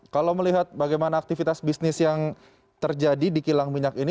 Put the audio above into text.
kalau melihat bagaimana aktivitas bisnis yang terjadi di kilang minyak ini